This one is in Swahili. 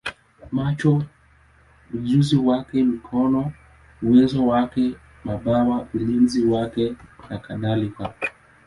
macho ujuzi wake, mikono uwezo wake, mabawa ulinzi wake, nakadhalika.